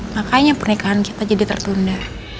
makanya pernikahan kita jadi tertunda